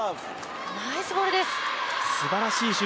ナイスボールです！